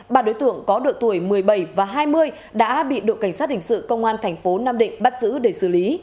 bà đối tượng có độ tuổi một mươi bảy và hai mươi đã bị đội cảnh sát hình sự công an tp nam định bắt giữ để xử lý